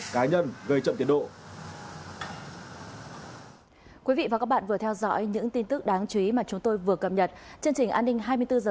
cá nhân về trạm tiến độ